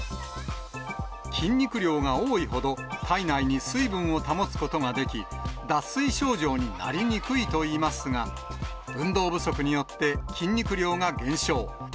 筋肉量が多いほど体内に水分を保つことができ、脱水症状になりにくいといいますが、運動不足によって筋肉量が減少。